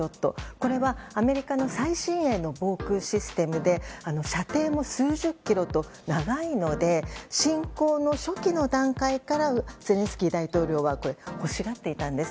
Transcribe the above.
これはアメリカの最新鋭の防空システムで射程も数十キロと長いので侵攻の初期の段階からゼレンスキー大統領はこれを欲しがっていたんです。